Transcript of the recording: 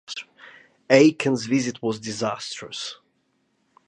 Aiken's visit was disastrous.